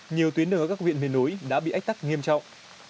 nhiều tuyến đường ở các huyện biển núi đã bị ách tắc nghiêm trọng